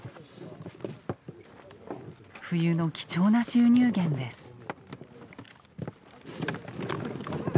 冬の貴重な収入源です。